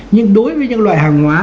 nhưng đối với những loại hàng hóa